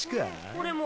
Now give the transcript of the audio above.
俺も。